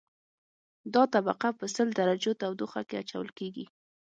دا طبقه په سل درجو تودوخه کې اچول کیږي